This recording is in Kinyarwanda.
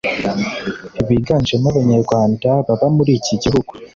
biganjemo Abanyarwanda baba muri iki gihugu